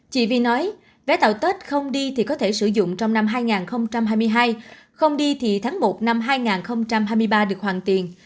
chị vi nói vé tàu tết không đi thì có thể sử dụng trong năm hai nghìn hai mươi hai không đi thì tháng một năm hai nghìn hai mươi ba được hoàn tiền